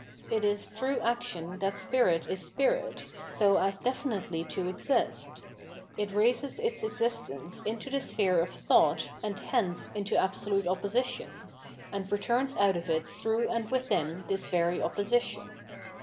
It is through action that spirit is spirit so as definitely to exist ; it raises its existence into the sphere of thought and hence into absolute opposition, and returns out of it through and within this very opposition.